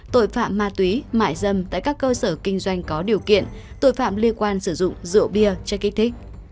tội phạm ma túy mại dâm tại các cơ sở kinh doanh có điều kiện tội phạm liên quan sử dụng rượu bia chất kích thích